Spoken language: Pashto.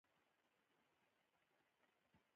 د ټولو توکو بیه په لګول شوي وخت پورې اړه لري.